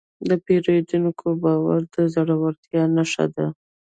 د پیرودونکي باور د زړورتیا نښه ده.